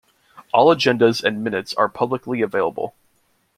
All agendas and minutes are publicly available.